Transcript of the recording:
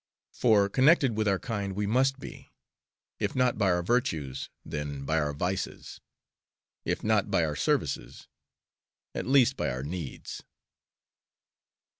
For connected with our kind we must be; if not by our virtues, then by our vices, if not by our services, at least by our needs.